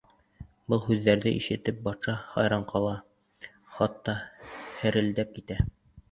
Был һүҙҙәрҙе ишетеп, батша хайран ҡала, хатта һерелдәп китә.